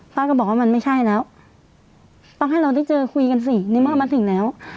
ป้าก็บอกว่ามันไม่ใช่แล้วต้องให้เราได้เจอคุยกันสิในเมื่อมาถึงแล้ว